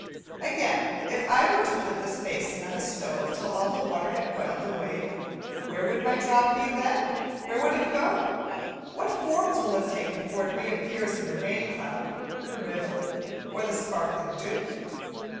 Again, if I were to put this basin on the stove till all the water had boiled away, where would my drop be then? Where would it go? What forms will it take before it reappears in the rain cloud, the river, or the sparkling dew?